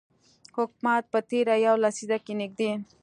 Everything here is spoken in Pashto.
حکومت په تیره یوه لسیزه کې نږدې